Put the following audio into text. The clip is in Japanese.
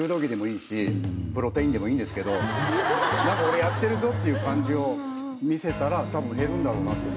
やってるぞって感じを見せたら多分減るんだろうなと。